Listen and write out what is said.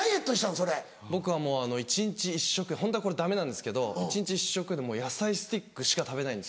僕はもう一日一食ホントはこれダメなんですけど一日一食で野菜スティックしか食べないんですよ。